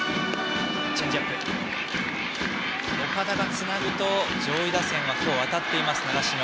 岡田がつなぐと上位打線は今日、当たっています習志野。